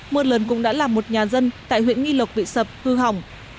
mưa lớn cũng đã làm một nhà dân tại huyện nghi lộc bị sập hư hỏng